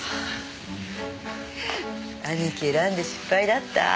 兄貴選んで失敗だった？